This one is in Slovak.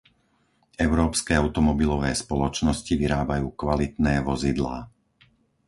Európske automobilové spoločnosti vyrábajú kvalitné vozidlá.